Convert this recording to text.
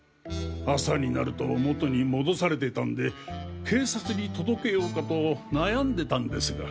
朝になると元に戻されてたんで警察に届けようかと悩んでたんですが。